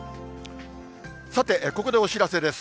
さて、ここでお知らせです。